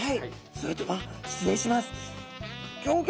それでは失礼します。